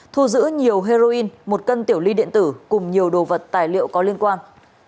thu giữ nhiều heroin một cân tiểu ly điện tử cùng nhiều đồ vật tài liệu có liên quan